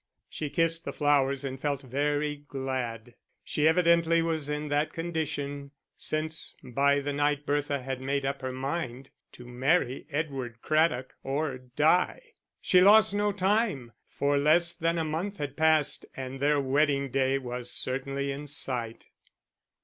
She kissed the flowers and felt very glad.... She evidently was in that condition, since by the night Bertha had made up her mind to marry Edward Craddock or die. She lost no time, for less than a month had passed and their wedding day was certainly in sight.